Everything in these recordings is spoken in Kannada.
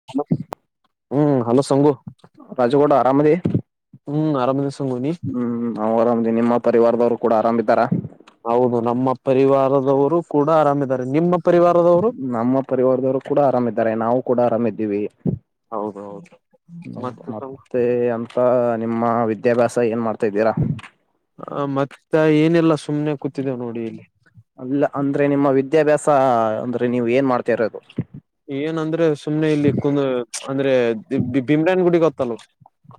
ಹ [inaudible] ಹ್ಮ್ ಹಲೋ ಸಂಂಗು ರಾಜಗೌಡ ಆರಾಮದಿಯ್ ಹ್ಮ್ ಅರಮದಿನಿ ಸೋಮ್ ನೀ ಹ್ಮ್ ನಾವು ಆರಾಮ್ದವಿ ನಿಮ್ಮ ಪರಿವಾರದವ್ರು ಕೂಡ ಆರಾಮಇದಾರ ಹೌದು ನಮ್ಮ ಪರಿವಾರದವರು ಕೂಡ ಆರಾಮಿದ್ದಾರೆ ನಿಮ್ಮ ಪರಿವಾರದವರು ನಮ್ಮ ಪರಿವಾರದವ್ರು ಕೂಡ ಆರಾಮದ್ದಾರೆ ನಾವು ಕೂಡ ಆರಾಮಿದ್ದೀವಿ ಹೌದ ಹೌದು ಮತ್ತೆ ತಾವು ಮ [unintelligible] ಅಂತ ನಿಮ್ಮ ವಿದ್ಯಾಭ್ಯಾಸ ಏನು ಮಾಡ್ತಾ ಇದಿದ್ದೀರಾ ಆ ಮತ್ತೆ ಏನೆಲ್ಲಾ ಸುಮ್ನೆ ಕೂತಿದ್ದೇವೆ ನೋಡಿ ಇಲ್ಲಿ ಅಲ್ಲ ಅಂದ್ರೆ ನಿಮ್ಮ ವಿದ್ಯಾಭ್ಯಾಸ ಅಂದ್ರೆ ನೀವು ಏನ್ ಮಾಡ್ತಾ ಇರೋದು ಏನಂದ್ರೆ ಸುಮ್ನೆ ಇಲ್ಲಿ ಕುಂದ ಅಂದ್ರೆ ಬಿಮ್ರನ್ ಗುಡಿ ಗೊತ್ತಲ್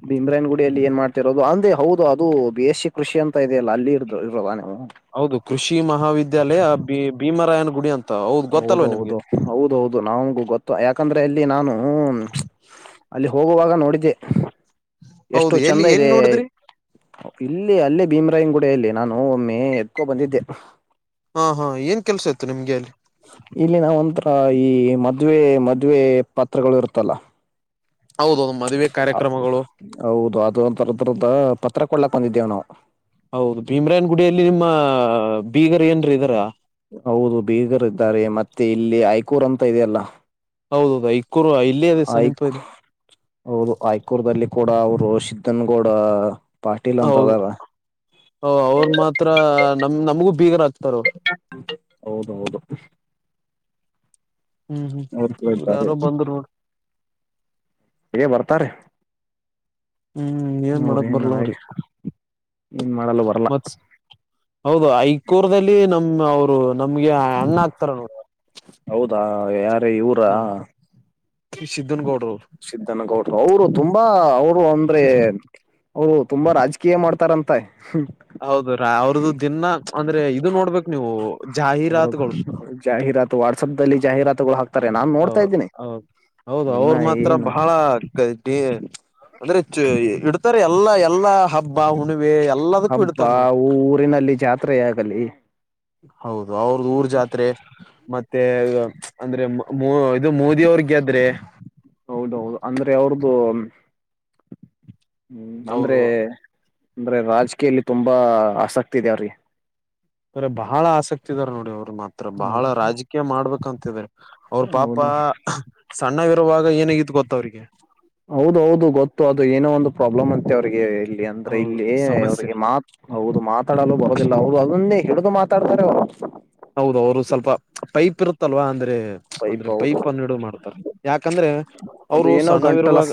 ಭಮ್ರೇನ್ ಗುಡಿಯಲ್ಲಿ ಏನ್ ಮಾಡ್ತಿರೋದು ಅಂದ್ರೆ ಹೌದು ಅದು ಬೇಸಿ ಕೃಷಿ ಅಂತ ಇದೆ ಅಲ್ಲ ಅಲ್ಲಿ ಇರೋದ ನೀವು ಹೌದು ಕೃಷಿ ಮಹಾವಿದ್ಯಾಲಯ ಬಿ ಭೀಮರಾಯನ ಗುಡಿ ಅಂತ ಹೌದು ಹೌದ ಗೊತ್ತಲ್ವಾ ನಿಮ್ಗೆ ಹೌದು ಹೌದೌದು ನಮಗೂ ಗೊತ್ತ ಯಾಕಂದ್ರೆ ಅಲ್ಲಿ ನಾನು ಅಲ್ಲಿ ಹೋಗುವಾಗ ನೋಡಿದ್ದೆ [inaudible] ಹೌದು ಎಷ್ಟು ಎಲ್ಲಿ ಚಂದ ಎಲ್ಲಿ ಇದೆ ನೋಡಿದ್ರಿ ಇಲ್ಲಿ ಅಲ್ಲೇ ಭೀಮರಾಯನ್ ಗುಡಲ್ಲಿ ನಾನು ಒಮ್ಮೆ ಎಕ್ಕೋ ಬಂದಿದ್ದೆ ಹಾ ಹಾ ಏನ್ ಕೆಲಸ ಇತ್ತು ನಿಮ್ಗೆ ಅಲ್ಲಿ ಇಲ್ಲಿ ನಾವ ಒಂಥರ ಈ ಮದುವೆ ಮದುವೆ ಪತ್ರಗಳು ಇರುತ್ತಲ್ಲ ಹೌದೌದು ಮದುವೆ ಕಾರ್ಯಕ್ರಮಗಳು ಹೌದು ಅದ ಒರದ್ರದ್ದ ಪತ್ರ ಕೊಳ್ಳಕ್ ಬಂದಿದ್ದೇವ ನಾವು ಹೌದು ಭೀಮ್ರಾಯನ್ ಗುಡಿಯಲ್ಲಿ ನಿಮ್ಮ ಬೀಗರ್ ಏನ್ರೀ ಇದಾರಾ ಹೌದು ಬೀಗರ್ ಇದ್ದಾರೆ ಮತ್ತೆ ಇಲ್ಲಿ ಐಕೂರ್ ಅಂತ ಇದೆಯಲ್ಲ. ಹೌದೌದು ಐಕೂರ್ ಇಲ್ಲೇ ಅದೆ ಸನೀಪ ಐಕ್ ಇದೆ. ಹೌದು ಐಕೂರ್ ದಲಿ ಕೂಡ ಅವರು ಶಿದ್ದನ್ಗೌಡ. ಹೌದು ಅವರು ಮಾತ್ರ ನಮ ನಮಗೂ ಬೀಗರ್ ಹಕ್ತಾರ ಅವರು. [inaudible] ಹೌದೌದು. ಹ್ಮ್ ಹ್ಮ್ ಅವ್ರು ಕೂಡ ಇವ್ರ ಇದ್ದಾರೆ ಯಾರ್ ಬಂದ್ ನೋಡಿ. ಹೇ ಬರ್ತಾರೆ. ಹ್ಮ್ ಏನ್ ಮಾಡಕ್ ಬರ್ಲ ಅವ್ರಿ [unintelligible] ಏನ್ ಮಾಡಲ್ಲ ಬರಲ್ಲ. ಮತ್ ಹೌದು ಐಕೂರ್ಲ್ಲಿ ನಮ್ ಅವ್ರು ನಮ್ಗೆ ಅಣ್ಣ ಹಾಕ್ತಾರ. ಹೌದಾ ಯಾರ ಇವರಾ. ನಮ್ ಸಿದ್ದನ್ ಗೌಡ್ರು [inaudible] ಸಿದ್ದನಗೌಡರು ಅವರು ತುಂಬಾ ಅವರು ಅಂದ್ರೆ. ಹ ತುಂಬಾ ರಾಜಕೀಯ ಮಾಡ್ತಾರಂತ. ಹೌದು ರ ಅವ್ರದದು ದಿನ ಅಂದ್ರೆ ಇದು ನೋಡ್ಬೇಕು ನೀವು ಜಾಹೀರಾತುಗಳು. ಜಾಹರಾತುಾಟ್ಸ್ಸಪ್ ದಲ್ಲಿ ಜಾಹರಾತು ಹಾಕ್ತಾರೆ ನಾನ್ ನೋಡ್ತಾ ಹೌದು ಇದೀನಿ. ಹೌದು ಹೌದು ಅವರು ಮಾತ್ರ ಬಹಳ ಅಂದ್ರೆ ಇ. ರೆ ಎಲ್ಲ ಎಲ್ಲ. ಹಬ್ಬಾ ಹುಣಿವೆ ಎಲ್ಲದಕ್ಕೂ ಹಬ್ಬ ಇಡ್ತಾರ ನೋಡಿ. ಊರಿನಲ್ಲಿ ಜಾತ್ರೆಯಾಗಲಿ ಹೌದು ಅವ್ರದ್ದ ಊರ್ ಜಾತ್ರೆ ಮತ್ತೆ ಅಂದ್ರೆ. ಮ ಇದು ಮೋದಿ ಅವ್ರ ಗೆದ್ರೆ. ಹೌದೌದು ಅಂದ್ರೆ ಅವ್ರದ್ದು. ಹ್ಞ ಅಂದರೆ ಅವರು ಅಂದರೆ ರಾಜಕೀಯಲ್ಲಿ ತುಂಬ ಆಸಕ್ತಿ ಇದೆವರಿಗೆ. ಬರ ಬಹಳ ಆಸಕ್ತಿ ಇದಾರೆ ನೋಡಿ ಅವರು ಮಾತ್ರ ಬಹಳ ಹೌದು ರಾಜಕೀಯ ಮಾಡ್ಬೇಕಂತಾರೆ. ಅವ್ರ ಪಾಪ ಹೌದು ಸಣ್ಣಗರವಾಗ ಏನಗಿದ ಗೊತ್ತ ಅವ್ರಿಗೆ. ಹೌದು ಹೌದು ಗೊತ್ತು ಅದು ಏನೋ ಒಂದು ಪ್ರಾಬ್ಲಮ್ ಅಂತೆ ಅವ್ರಿಗೆ ಇಲ್ಲಿ ಅಂದ್ರೆ ಹೌದು ಇಲ್ಲಿ ಸಮಸ್ಯೆ ಅವ್ರಿಗೆ ಮಾತ್ರ. ಹೌದು ಮಾತಾಡಲು ಬರೋದಿಲ್ಲ ಹೌದು ಅದನ್ನೇ ಹಿಡಿದು ಮಾತಾಡ್ತಾರೆ ಅವರು. ಹೌದು ಅವರು ಸ್ವಲ್ಪ ಪೈಪ್ ಇರುತ್ತಲ್ವಾ ಅಂದ್ರೆ. ಅಂದ್ರೆ ಪೈಪ್ ಅನ್ನ ಹಿಡ ಮಾಡ್ತಾರ ಯಾಕಂದ್ರೆ ಅದು ಅವರು ಏನೋ ಗಂಟಲ ಸಣ್ಣವಿರುವಾಗ.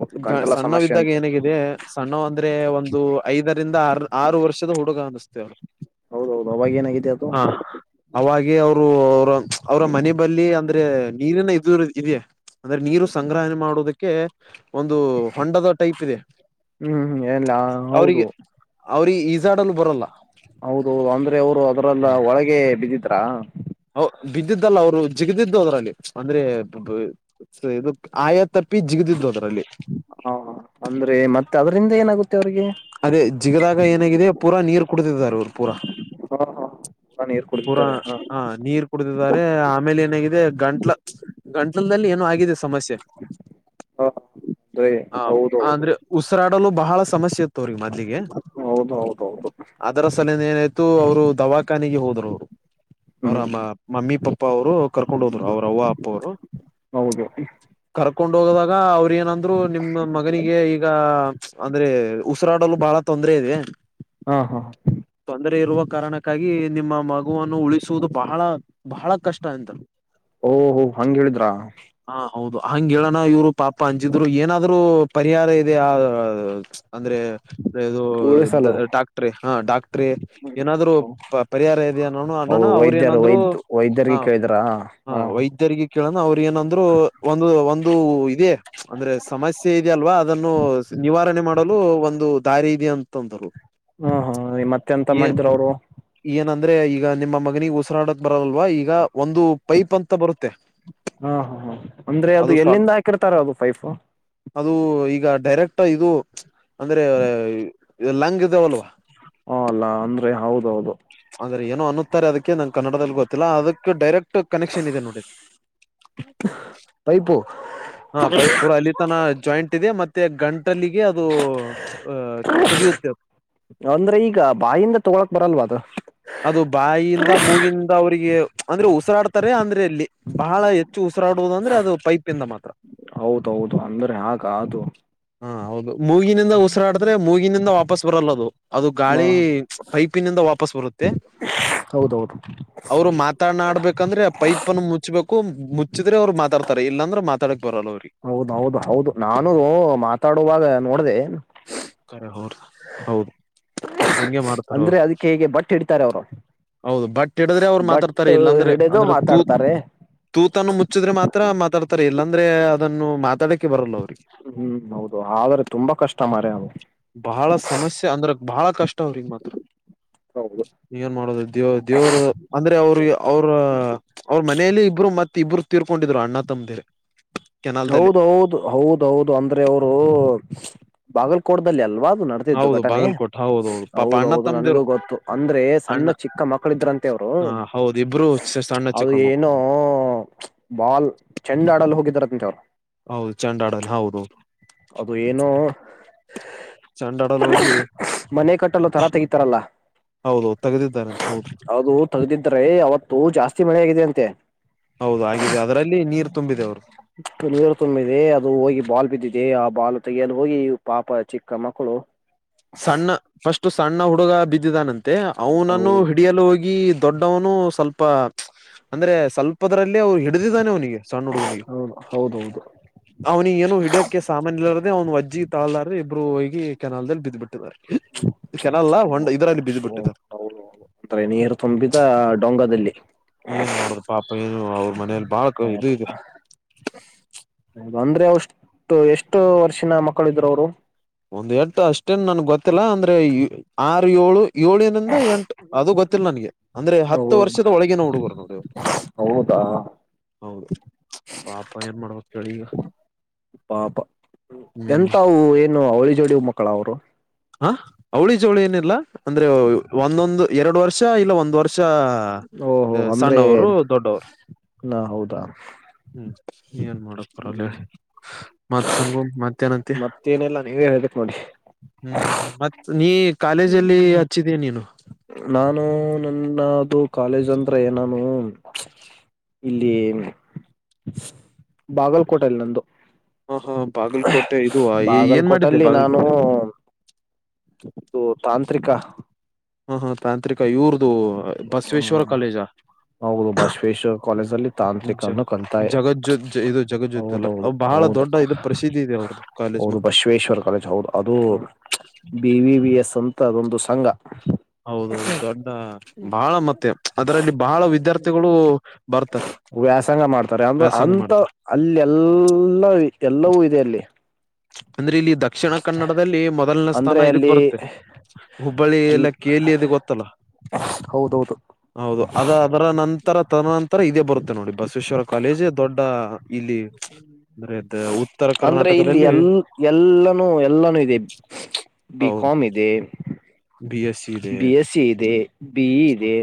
ಹೌದು ಗಂಟಲ ಸಮಸ್ಯೆ ಸಣ್ಣವಿದ್ದಾಗ ಅಂತೆ ಏನತ್ತು. ಸಣ್ಣ ಅಂದ್ರೆ ಒಂದು ಐದರಿಂದ ಆ ಆರು ವರ್ಷದ ಹುಡುಗ ಅನಸ್ತೇ ಅವ್ರು. ಹೌದೌದು ಅವಾಗ ಏನಾಗಿದೆ ಅದು. ಹಾ. ಅವಾಗ ಅವರು ಅವ್ರ ಅವ್ರ ಮನೆ ಬಳ ಅಂದ್ರೆ ನೀರನ ಇದ ಇದದೆ. ಅಂದ್ರೆ ನೀರು ಸಂಗ್ರಹಣೆ ಮಾಡೋದಕ್ಕೆ. ಒಂದು ಹೊಂಡದ ಟೈಪ್ ಇದೆ ಹ್ಮ್ ಹ್ಮ್ ಏನಿಲ್ಲ ಹೌದು ಅವರಿಗೆ. ಅವ್ರಿ ಈಜಾಡ್ಲ್ಲಿ ಬರಲ್ಲ. ಹೌದೌದು ಅಂದ್ರೆ ಅವರು ಅದ್ರಲ್ಲ ಒಳಗೆ ಬಿದ್ದಿದ್ರಾ. ಹ ಬಿದ್ದಿದ್ದಲ್ಲ ಅವ್ರು ಜಿಗದಿದ್ದು ಅದ್ರಲ್ಲಿ ಅಂದ್ರೆ. ಸರಿ ಇದು ಆಯಾ ತಪ್ಪಿ ಜಿಗ್ದಿದ್ದು ಅದರಲ್ಲಿ. ಹ ಅಂದ್ರೆ ಮತ್ತೆ ಅದರಿಂದ ಏನಾಗುತ್ತೆ. ಮವ್ರಿಗೆ [unintelligible] ಅದೇ ಜಿಗದಾಗ ಏನಾಗಿದೆ ಪೂರಾ ನೀರ್ ಕುಡತಿದಿದ್ದಾರೆ ಅವ್ರು ಪೂರಾ. ಹ ಹ ನೀರು ಪುರಾ ಕುಡಿತಾರೆ ಹ ನೀರ್. ಕುಡಿದಿದ್ದಾರೆ ಆಮೇಲೆ ಏನಾಗಿದೆ ಗಂಟ್ಲ ಗಂಟ್ಲದಲ್ಲಿ ಏನೋ ಆಗಿದೆ ಸಮಸ್ಯೆ. ಹ ಅದೇ ಹ ಹೌದು ಅಂದ್ರೆ ಉಸಿರಾಡಲು ಬಹಳ ಸಮಸ್ಯೆ. ತೋರಿ ಮೊದ್ಲಿಗೆ. ಹೌ ಹೌದೌದು. ಅದರ ಸಲನ ಏನಾಯ್ತು ಅವರು ದವಾಖಾನೆಗೆ ಹೋದರುರು. ಹ್ಮ್ ಅವ್ರಮ್ಮ ಮಮ್ಮಿ ಪಪ್ಪ ಅವರು ಕರ್ಕೊಂಡ್ ಹೋದ್ರು ಅವ್ರ ಅವವ ಅಪ್ಪ ಅವರು. ಹೌದು ಕರ್ಕೊಂಡ್ ಹೋಗದಾಗ ಅವ್ರ ಏನಂದ್ರು ನಿಮ್ಮ ಮಗನಿಗೆ ಈಗ ಅಂದ್ರೆ ಉಸಿರಾಡಲು ಬಹಳ ತೊಂದ್ರ ಇದೆ ಹಾ ಹಾ ತೊಂದರೆ ಇರುವ ಕಾರಣಕ್ಕಾಗಿ ನಿಮ್ಮ ಮಗುವನ್ನು ಉಳಿಸುವುದು ಬಹಳ ಬಹಳ ಕಷ್ಟ ಎಂತರು ಓಹಹೋ ಹಂಗಗೆ ಹೇಳಿದ್ರ ಹಾ ಹೌದು ಹಂಗಗೆ ಹೇಳೋಣ ಇವ್ರು ಪಾಪ ಅಂಜಿದ್ರು ಏನಾದ್ರರು ಪರಿಹಾರ ಇದೆ ಆ ಅಂದ್ರೆ ಇದು ಉಳಿಸಲು ಡಾಕ್ಟ್ರಿ ಹಾ ಡಾಕ್ಟ್ರಿ ಏನಾದ್ರು ಪರಿಹಾರ ಇದೆ ಅನ ಅನ್ನೋಣ ಅವ್ರ ಏನಾದ್ರು ವೈದ್ಯರ್ರಿಗೆ ಕೇಳಿದ್ರಾ ಹಾ ಕೇಳೋಣ ಅವ್ರ ಏನಂದ್ರು ಒಂದು ಒಂದು ಇದದೆ ಅಂದ್ರೆ ಸಮಸ್ಯೆ ಇದೆಯಲ್ವಾ ಅದನ್ನು ನಿವಾರಣೆ ಮಾಡ ಒಂದು ದಾರಿ ಇ ಅಂತಂದ್ರು ಹ್ಮ್ ಹ್ಮ ಮತ್ತೆ ಎಂತ ಮಾಡಿದ್ರ ಅವ್ರು. ಏನಂದ್ರೆ ಈಗ ನಿಮ್ಮ ಮಗನಿಗೆ ಉಸಿರಾಡಕ್ ಬರಲ್ಲಲ್ವಾ ಈಗ ಒಂದು ಪೈಪ್ ಅಂತ ಬರುತ್ತೆ. ಹಾ ಹಾ ಹ ಅಂದ್ರೆ ಅದು ಎಲ್ಲಿಂದ ಹಾಕಿರ್ತಾರ ಅದು ಫೈಫ ಅದು ಈಗ ಡೈರೆಕ್ಟ್ ಇದು ಅಂದ್ರೆ ಲಂಗ್ ಇದಾವಲ್ವಾ ಹ ಅಲ್ಲ ಅಂದ್ರೆ ಹೌದೌದು ಅ್ರೆ ಏನೋ ಅನ್ನುತಾರೆ ಅದಕ್ಕೆ ನಂಗೆ ಕನ್ನಡದಲ್ಲಿ ಗೊತ್ತಿಲ್ಲ ಅದಕ್ಕೆ ಡೈರೆಕ್ಟ್ ಕನೆಕ್ಷನ್ ಇದೆ ನೋಡಿ ಪೈಪು ಹಾ ಪೈಪ್ ಪೂರ ಅಲ್ಲಿ ತನ ಜಾಯಿಂಟ್ ಇದೆ ಮತ್ತೆ ಗಂಟ್ ಟಲ್ಲಿಗೆ ಅದು ಅ ತೆಗೆಯುತ್ತೆ ಅಂದ್ರೆ ಈಗ ಬಾಯಿಂದ ತೊಗಳಕ್ ಬರಲ್ವಾ ಅದು ಅದು ಬಾಯಿಯಿಂದ ಮೂಗಿಂದ ಅವಿಗೆ ಅಂದ್ರೆ ಉಸಿರಾಡ್ತಾರೆ ಅಂದ್ರೆ ಇಲ್ಲಿ ಬಹಳ ಎ ಹೆಚ್ಚು ಉಸರಾಡುವುದ ಅಂದ್ರೆ ಅದು ಪೈಪ್ಿಂದ ಮಾತ್ರ ಹೌದೌದು ಅಂದ್ರೆ ಆಗ ಅದು ಹಾ ಹೌದು ಮೂಗಿನಿಂದ ಉಸಿರಾಡಿದ್ರೆ ಮೂಗಿ ಈಗಿನಿಂದ ವಾಪಸ್ ಬರಲ್ಲದು ಅದು ಹ ಗಾಳಿ ಪೈಪಿನಿಂದ ವಾಪಸ್ ಬರುತ್ತೆ ಹೌದೌದು ಅವ್ರು ಮಾತಾನಾಡ್ಬೇಕಂದ್ರೆ ಪೈಪ್ನ್ನು ಮುಚ್ಬೇಕು ಮುಚ್ಚಿದ್ರೆ ಅವ್ರು ಮಾತಾಡ್ತಾರೆ ಇಲ್ಲಾಂದ್ರ ಮಾತಾಡಕ್ ಬರಲ್ಲ ಅವ್ರಿಗೆ ಹೌದೌದು ಹೌದು ನಾನು ಮಾತಾಡುವಾಗ ನೋಡಿದೆ ಕರೆ ಹೋರ್ ಹೌದು ಹಂಗೆ ಮಾಡ್ತಾರ ಅಂದ್ರೆ ಅವ್ರು ಅದಕ್ಕೆ ಹೇಗೆ ಬಟ್ಟೆ ಇಿಡ್ತಾರೆ ಅವರು ಹೌದು ಬಟ್ ಹಿಡಿದ್ರೆ ಅವ್ರು ಮಾತಾಡ್ತಾರೆ ಬಟ್ ಇಲ್ಲಾ ಅಂದ್ರೆ ಹಿಡಿದು ಅಂದ್ರ ತೂತ್ ಮಾತಾಡ್ತಾರೆ ತೂತಾನ ಮುಚ್ಚಿದ್ರೆ ಮಾತ್ರ ಮಾತಾಡ್ತಾರೆ ಇಲ್ಲಾಂದ್ರೆ ಅದನ್ನು ಮಾತಾಡಕ್ಕೆೆ ಬರಲ್ಲ ಅವ್ರಿಗೆ ಹ್ಮ್ ಹೌದು ಆದ್ರೆ ತುಂಬಾ ಕಷ್ಟ ಮರ ಅವವು ಬಹಳ ಸಮಸ್ಯೆ ಅಂದ್ರ ಬಹಳ ಕಷ್ಟ ಅವ್ರಿಗ್ ಮಾತ್ರ ಹೌದು ಏನ್ ಮಾಡೋದ ದೇವ ದೇವ್ರದ ಅಂದ್ರೆ ಅವ್ರ ಅವ್ರ ಅವ್ರ ಮನೇಲಿ ಇಬ್ಬರು ಮತ್ತತ್ ಇಬ್ರು ತೀರ್ಕೊಂಡಿದ್ರು ಅಣ್ಣ ತಮ್ಮದಿರೆ ಹೌದ ಹೌದು ಹೌದ ಹೌದು ಅಂದ್ರೆ ಅವರು ಬಾಗಲ್ಕೋಟದಲ್ಲಿ ಅಲ್ವಾ ಅದು ನ ು ಹೌದು ಘಟನೆ ಬಾಗಲ್ಕೋಟ್ ಹೌದು ಹೌದು ಪಾಪ ಅಣ್ಣ ಹೌದೌದು ನನ್ಗೂ ತಮ್ಮದಿರು ಗೊತ್ತು ಅಂದ್ರೆ ಸಣ್ಣ ಅಣ್ಣ ಚಿಕ್ಕ ಮಕ್ಕಳ ಮಕ್ಕಳಿದ್ರಂತೆವರು ಹ ಹೌದು ಇಬ್ರು ಸಣ್ಣ ಅದು ಚಿಕ್ಕಳ ಏನೋ ಮಕ್ಕಳು ಬಾಲ್ ಚೆಂಡ ಆಡಲು ಹೋಗಿದಾರ ಅಂತೆವ್ರು ಹೌದು ಚಂಡಾಡಲ್ಲಿ ಹೌದುೌದು ಅದು ಏನೋ ಚಂಡಾಡಲ್ ಹೋಗಿ ಮನೆ ಕಟ್ಟಲು ತರಾ ತೆಗಿತಾರಲ್ಲ ಹೌದು ತೆಗೆದಿದ್ದಾರಂತ ಹೌದು ತಗದಿದ್ರೆ ಅವತ್ತು ಜಾಸ್ತಿ ಮಳೆೆಯಗಿದೆ ಅಂತೆ ಹೌದು ಆಿದೆ ಅದರಲ್ಲಿ ನೀರ್ ತುಂಬಿದೆ ಅವ್ರು ಇ ನೀರು ತುಂಬಿದೆ ಅದು ಹೋಗಿ ಬಾಲ್ ಬಿದ್ದಿದೆ ಆ ಬಾಲು ತೆೆಗೆಯಲು ಹೋಗಿ ಪಾಪ ಚಿಕ್ಕ ಮಕ್ಕಳು ಸಣ್ಣ ಫಸ್ಟ್ ಸಣ್ಣ ಹುಡುಗ ಬಿದ್ದಿದಾನಂತೆ ಅವನನ್ನು ಹೌದು ಹಿಡಿಯಲು ಹೋಗಿ ದೊಡ್ಡವನು ಸ್ವಲ್ಪ ಅಂದ್ರೆ ಸ್ವಲ್ಪದ್ರಲ್ಲಿ ಅವರು ಹಿಡಿದಿದಾನೆ ಅವನಿಗೆ ಸಣ್ಣುಡುಗ ನೀ ಹೌದು ಹೌದೌದು ಅವ್ನಿಗೆ ಏನು ಹಡೋಕ್ಕೆ ಸಾಮಾನ ಇರದೇ ಅವ್ನ್ಜ್ಜ ತಳ್ದಾರ್ರ ಇಬ್ರು ಹೋಗಿ ಕೆನಲ್ಲ್ಲಿ ಬ ಬಿಟ್ಟು ಬಾರ [unintelligible] ಅಂದ್ರೆ ನೀರು ತುಂಬಿದ ಡೊಂಗಾದದಲ್ಲಿ ಏನ್ ಮಾಡ್ರ ಪಾಪ ಏನು ಅವ್ರ ಮನೇಲಿ ಬಾಳ ಇದು ಇದೆ ಹೌದು ಅಂದ್ರೆ ಅವಷ್ಟು ಎಷ್ಟು ವರ್ಷಿನ ಮಕ್ಕಳ ಇದ್ರು ಅವರು ಒಂದ್ ಎಟು ಅಷ್ಟೇನ್ ನನ್ಗ್ ಗೊತ್ತಿಲ್ಲ ಅಂದ್ರೆ ಆರು ಏಳು ಏಳಿನಂದ ಎಂಟು ಅದು ಗೊತ್ತಿಲ್ಲ ನನ್ಗೆ ಅಂದ್ರೆ ಹೌ ಹತ್ತು ವರ್ಷದ ಒಳಗೆ ನ ಹುಡುಗರು ನೋಡಿ ಹೌದಾ ಹೌದು ಪಾಪ ಏನ್ ಮಾಡ್ಬೇಕ ಕೇಳಿ ಈಗ ಪಾಪಾ ಹ್ಮ್ ಎಂತವು ಏನು ಅವಳಿ ಜೋಡಿ ಮಕ್ಕಳ ಅವ್ರು ಹ ಅವಳಿ ಜವಳಿ ಏನಿಲ್ಲ ಅಂದ್ರೆ ಒಂದೊಂದು ಎರಡು ವರ್ಷ ಇಲ್ಲ ಒಂದ್ ವರ್ಷ ಓಹೋ ಹ ಅಂದ್ರೆ ಸಣ್ಣವರು ದೊಡ್ಡವರು ನಾ ಹೌದಾ ಹ್ಮ್ ಏನ್ ಮಾಡಕ್ ಪರಲ್ಲ ಹೇಳಿ ಮತ್ಸಂಗ ಮಧ್ಯಾಹ್ನಂತ ತೇನೆ ಎಲ್ಲ ನೀವು ಹೇಳಿ ಕೊಡಿ ಹ್ಮ್ ಹ್ಮ್್ಮ ಮತ್ ನೀ ಕಾಲೇಜಲ್ಲಿ ಹಚ್ಚಿದೀ ನೀನು ನಾನು ನನ್ನದು ಕಾಲೇಜ್ ಅಂದ್ರೆ ಏನಾನು ಇಲ್ಲಿ ಬಾಗಲ್ಕೋಟೆಲ್ಲಿ ನಂದು. ಹಾ ಹಾ ಬಾಗಲಕೋಟೆ ಇದು ಏನ್ ಮಾಡಿದ್ದೆ ಬಾಗಲಕೋಟಲ್ಲಿ ನಾನು ಬಾಗಲಕೋಟೆಯಲ್ಲಿ ಇದು ತಾಂತ್ರಿಕ ಹ ಹ ತಾಂತ್ರಿಕ ಇವ್ರದು ಬಸವೇಶ್ವರ ಹ್ಮ್ ಕಾಲೇಜ ಹೌದು ಬಸವೇಶ್ವ ಕಾಲೇಜ್ ಅಲ್ಲಿ ಜ ತಾಂತ್ರಿಕನ್ನು ಕತಾಯ ಜಗಜ್ಜೋ ಜ- ಇದು ಜಗಜ್ಯೋತಿ ಅಲ್ಲ ಹೌದೌದು ಅವ್ ಬಹಳ ಹೌದು ದೊಡ್ಡ ಇದು ಪ್ರಸಿದ್ಧಿ ಇದೆ ಅವ್ರದ್ದು ಕಾಲೇಜ್ ಹೌದು ಮಾತ್ರ ಬಸವೇಶ್ವರ್ ಕಾಲೇಜ್ ಹೌದು ಅದು ಹ ಬಿ ವಿ ವಿ ಎಸ್ ಅಂತ ಅದೊಂದು ಸಂಘ ಹೌದೌದು ದೊಡ್ಡ ಬಹಳ ಮತ್ತೆ ಅದರಲ್ಲಿ ಬಹಳ ವಿದ್ಯಾರ್ಥಿಗಳು ಬರ್ತಾರೆ. ವ್ಯಾಸಂಗ ಮಾಡ್ತಾರೆ ಅಂದ್ರ ವ್ಯಾಸಂಗ ಅಂತ ಮಾಡ್ತಾರೆ ಅಲ್ಲಿ ಎಲ್ಲ ಎಲ್ಲವೂ ಇದೆ ಅಲ್ಲಿ. ಅಂದ್ರೆ ಇಲ್ಲಿ ದಕ್ಷಿಣ ಕನ್ನಡದಲ್ಲಿ ಮೊದಲನೇ ಅಂದ್ರೆ ಸ್ಥಾನ ಇದಕ್ ಅಲ್ಲಿ ಬರುತ್ತೆ. ಹುಬ್ಬಳ್ಳಿ ಅಲ್ ಎಲ್ಲ ಕೇಲಿದು ಗೊತ್ತಲ್ಲ ಹೌದೌದು ಹೌದು ಅದ ಅದರ ನಂತರ ತದನಂತರ ಇದೇ ಬರುತ್ತೆ ನೋಡಿ ಬಸವೇಶ್ವರ ಕಾಲೇಜ್ ದೊಡ್ಡ ಇಲ್ಲಿ ಅಂದ್ರೆ ಉತ್ತರ ಅಂದ್ರೆ ಇಲ್ಲಿ ಕರ್ನಾಟಕದಲ್ಲಿ ಎಲ್ ಎಲ್ಲಾನೂ ಎಲ್ಲಾನೂ ಇದೆ ಹೌದು ಬಿಿಕಾಮ್ ಇದೆ. ಬಿ ಎಸ್ ಸಿ ಇದೆ ಬಿ ಎಸ್ ಸಿ ಇದೆ. ಬಿ ಇದೆ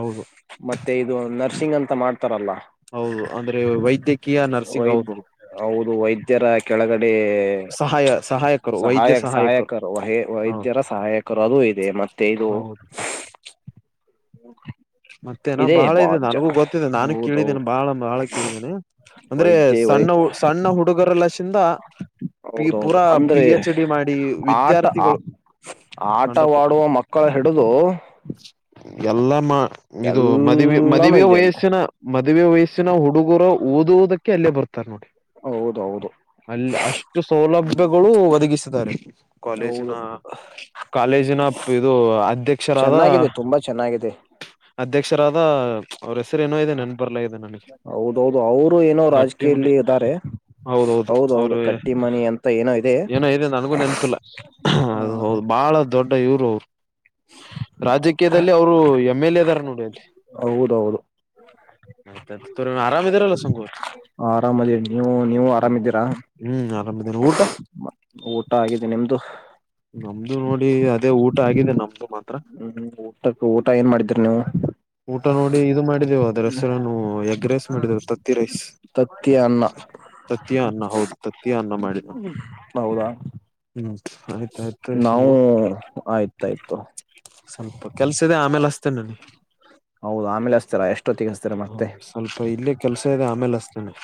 ಹೌದು ಮತ್ತೆ ಇದು ನರ್ಸಿಂಗ್ ಅಂತ ಮಾಡ್ತಾರಲ್ಲ. ಹೌದು ಅಂದ್ರೆ ವೈದ್ಯಕೀಯ ನರ್ಸಿಂಗ್ ವೈದ್ ಹೌದು. ಹೌದು ವೈದ್ಯರ ಕೆಳಗಡೆ ಸಹಾಯ ಸಹಾಯ ಸಹಾಯ ಸಹಾಯಕರು ವಹ ಹೌ ವೈದ್ಯರ ಸಹಾಯಕರು ಅದು ಇದೆ ಮತ್ತೆ ಇದು ಹೌದು ಹಾ ಮತ್ತೇನ ಬಾಳ ಇ ನನಗೂ ಗೊತ್ತಿದೆ ನಾನು ಕೇಳಿದೇನೆ ಹೌದೌದು ಬಾಳ ಬಹಳ ಕೇಳಿದ್ದೇನೆ. ಅಂದ್ರೆ ವೈದ್ಯ ವೈ ಸಣ್ಣ ಸಣ್ಣ ಹುಡುಗರ ಲಶಿಂದ ಪಿ ಹೌದೌದು ಪೂರಾ ಪಿ ಅಂದ್ರೆ ಹೆಚ್ ಡಿ ಮಾಡಿ ಆಟ ವಿದ್ಯಾರ್ಥಿಗಳು ಆಟವಾಡುವ ಮಕ್ಕಳ ಹಿಡಿದು ಎಲ್ಲ ಮಾ ಇದು ಮದುವೆ ಎಲ್ಲಾನು ಮದುವೆ ಇದೆ ಅಲ್ಲಿ ವಯಸ್ಸ್ಯನ ಮದುವೆ ವಯಸ್ಸಿನ ಹುಡುಗರ ಓದುವದಕ್ಕೆ ಅಲ್ಲೇ ಬರ್ತಾರ್ ನೋಡಿ. ಹೌದೌದು ಅಲ್ಲಿ ಅಷ್ಟು ಸೌಲಭ್ಯಗಳು ಒದಗಿಸಿದ್ದಾರೆ ಕಾಲೇಜಿನ ಹೌದು ಕಾಲೇಜಿನ ಇದು ಅಧ್ಯಕ್ಷರಾದ ಚೆನ್ನಾಗಿದೆ ತುಂಬಾ ಚೆನ್ನಾಗಿದೆ. ಅಧ್ಯಕ್ಷರಾದ ಅವ್ರ ಹೆಸರುಏನೋ ಇದೆ ನೆನ್ ಬರ್ಲ ಇದೆ ನನಗೆ ಹೌದೌದು ಅವರು ಏನೋ ಗಟ್ಟಿ ಮುನಿ ರಾಜಕೀಯಲ್ಲಿ ಇದ್ದಾರೆ ಹೌದೌದು ಅವರು ಕಟ್ಟಿ ಮನಿ ಅಂತ ಏನೋ ಇದೆ ಏನೋ ಇದೆ ಅಂತ ನನ್ಗೂ ನೆನಪಿಲ್ಲ ಹ ಅದು ಹೌದು ಬಾಳ ದೊಡ್ಡ ಇವ್ರು ಅವರು ರಾಜಕೀಯದಲ್ಲಿ ಅವರು ಎಮ್ ಎಲ್ ಎದಾರ ನೋಡಿ ಅಲ್ಲಿ ಹೌದೌದು ಆಯ್ತತ್ ತು ಅ ಆರಾಮ ಇದೀರಲ್ಲ ಸಂಕೂ ಆರಾಮದ ನೀವು ನೀವು ಆರಾಮ್ದೀರಾ ಹ್ಮ್ ಆರಾಮಿದಾರ ಊಟ ಊಟ ಆಗಿದ್ದಿ ನಿಮ್ದು ನಮ್ದು ನೋಡಿ ಅದೇ ಊಟ ಆಗಿದೆ ನಮ್ದು ಮಾತ್ರ ಹ್ಮ್ ಊಟಕ್ಕೆ ಊಟ ಏನ್ ಮಾಡಿದೀರಿ ನೀವು ಊಟ ನೋಡಿ ಇದು ಮಾಡಿದೇವು ಅದ ರಸ್ವು ಎಗ್ರೇಸ್ ಮಾಡಿದವ ತತ್ತಿ ಅನ್ನ ತತ್ಯ ಅನ್ನ ಹೌದು ತತ್ಯ ಅನ್ನ ಮಾಡಿದ ಹೌದಾ ಹ್ಮ್ ಆಯ್ತಾಯ್ತ ಸಂಭ ಗ ಆಯ್ತು ಸ್ವಲ್ಪ ಕೆಲ್ಸ ಇದೆ ಆಮೇಲೆ ಹಷ್ಟತೇ ನನಿ ಹೌದು ಆಮೇಲೆ ಹಸ್ತೀರಾ ಎಷ್ಟೊತ್ತಿಗೆ ಹಸ್ತೀರಾ ಹ ಮತ್ತೆ ಸ್ವಲ್ಪ ಇಲ್ಲೇ ಕೆಲ್ಸ ಇದೆ ಆಮೇಲೆ ಅಷ್ಟತೇನನೆ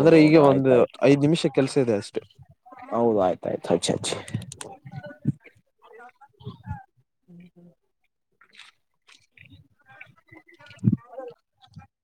ಅಂದ್ರೆ ಈಗ ಒಂದು ಐದ್ ನಿಮಿಷ ಕೆಲ್ಸ ಇದೆ ಅಷ್ಟೆ ಹೌದ ಆಯ್ತಾಯ್ತು ಹಚ್ಚ ಹಚ್ಚ ಹ್ಮ್ ಹ್ಮ್ [inaudible] [inaudible]